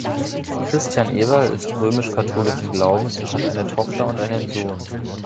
Christian Eberl ist römisch-katholischen Glaubens und hat eine Tochter und einen Sohn.